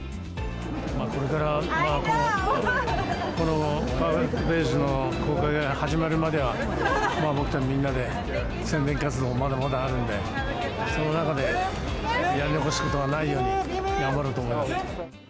これからこのパーフェクト・デイズの公開が始まるまでは僕たちみんなで宣伝活動、まだまだあるんで、その中でやり残すことがないように頑張ろうと思います。